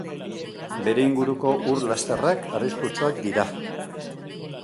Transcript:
Bere inguruko ur-lasterrak arriskutsuak dira.